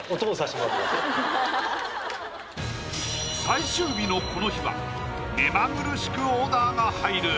最終日のこの日は目まぐるしくオーダーが入る！